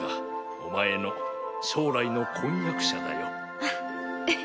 お前の将来の婚約者だよあっ